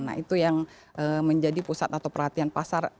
nah itu yang menjadi pusat atau perhatian pasar